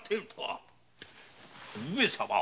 上様